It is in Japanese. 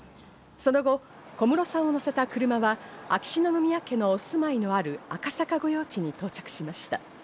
その後、小室さんを乗せた車は秋篠宮家のお住まいのある赤坂御用地に到着しました。